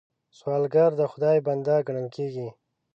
سوالګر د خدای بنده ګڼل کېږي